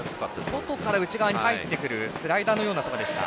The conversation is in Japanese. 外から内側に入ってくるスライダーのような球でした。